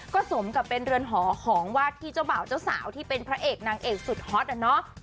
ก็สมกับเป็นเรือนหอของวาดที่เจ้าบ่าวเจ้าสาวที่เป็นพระเอกนางเอกสุดฮอตอ่ะเนาะ